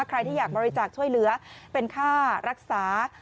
ใครที่อยากบริจาคช่วยเหลือเป็นค่ารักษา